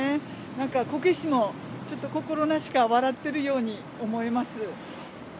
なんかこけしもちょっと、心なしか笑っているように思います。